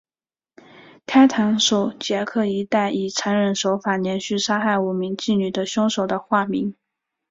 开膛手杰克一带以残忍手法连续杀害五名妓女的凶手的化名。